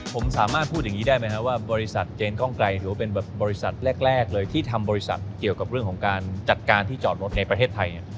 ผมสามารถพูดอย่างนี้ได้ไหมครับว่าบริษัทเจนกล้องไกรถือว่าเป็นแบบบริษัทแรกเลยที่ทำบริษัทเกี่ยวกับเรื่องของการจัดการที่จอดรถในประเทศไทย